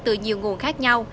từ nhiều nguồn khác nhau